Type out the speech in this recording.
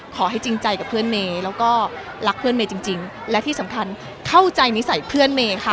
ขอให้จริงใจกับเพื่อนเมย์แล้วก็รักเพื่อนเมย์จริงและที่สำคัญเข้าใจนิสัยเพื่อนเมย์ค่ะ